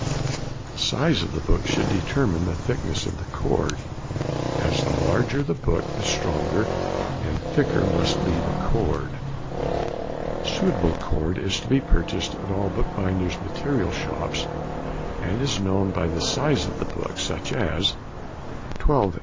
The size of the book should determine the thickness of the cord, as the larger the book, the stronger and thicker must be the cord. Suitable cord is to be purchased at all the bookbinder's material shops, and it is known by the size of the book, such as 12mo., 8vo.